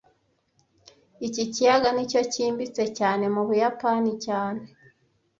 Iki kiyaga nicyo cyimbitse cyane mu Buyapani cyane